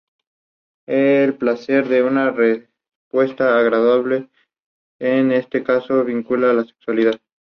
Químicamente es un sulfato de plomo con anión adicional de óxido, sin agua.